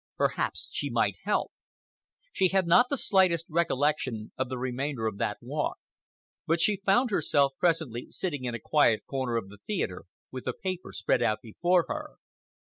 Perhaps she might help! She had not the slightest recollection of the remainder of that walk, but she found herself presently sitting in a quiet corner of the theatre with the paper spread out before her.